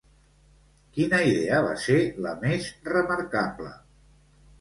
Quina idea va ser la més remarcable?